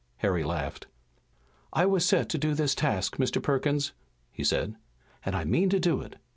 Harry laughed. "I was set to do this task, Mr. Perkins," he said, "and I mean to do it."